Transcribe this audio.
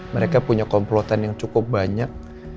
mereka punya komplotan yang cukup banyak